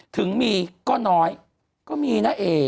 ถึงมีก็น้อยก็มีนะเอ